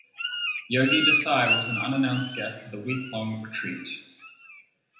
Yogi Desai was an unannounced guest at the week-long retreat.